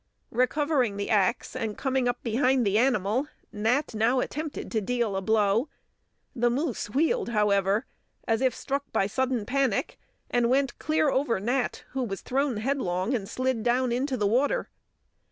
Recovering the axe and coming up behind the animal, Nat now attempted to deal a blow. The moose wheeled, however, as if struck by sudden panic, and went clear over Nat, who was thrown headlong and slid down into the water.